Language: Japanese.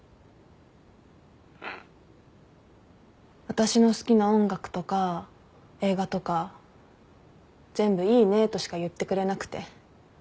私の好きな音楽とか映画とか全部いいねとしか言ってくれなくて。